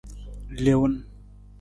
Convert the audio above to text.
Leewun.